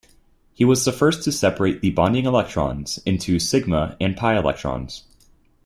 He was the first to separate the bonding electrons into sigma and pi electrons.